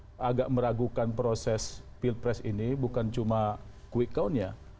yang agak meragukan proses pilpres ini bukan cuma quick count nya